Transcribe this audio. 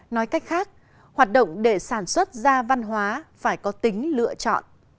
nói cách khác hoạt động để sản xuất ra văn hóa phải có tính lựa chọn